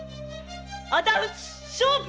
仇討ち勝負！